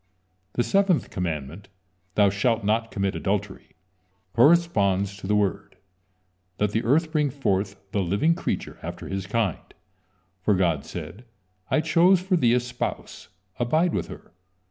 The seventh commandment: "Thou shalt not commit adultery," corresponds to the word: "Let the earth bring forth the living creature after his kind," for God said: "I chose for thee a spouse, abide with her."